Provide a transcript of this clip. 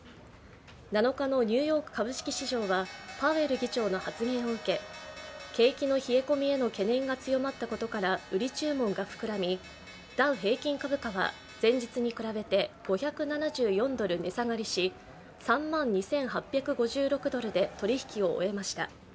７日のニューヨーク株式市場はパウエル議長の発言を受け景気の冷え込みへの懸念が強まったことから売り注文が膨らみ、ダウ平均株価は前日に比べて５７４ドル値下がりし３万２８５６ドル取引を終えました。